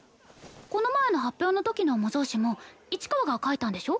この前の発表の時の模造紙も市川が書いたんでしょ？